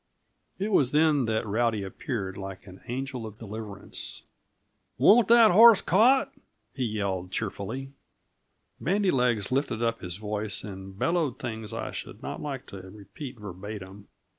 It was then that Rowdy appeared like an angel of deliverance. "Want that horse caught?" he yelled cheerfully. Bandy legs lifted up his voice and bellowed things I should not like to repeat verbatim.